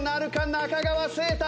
中川惺太。